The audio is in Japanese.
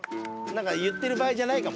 言ってる場合じゃないかも。